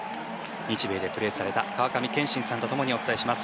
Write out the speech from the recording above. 日米でプレーされた川上憲伸さんとともにお伝えします。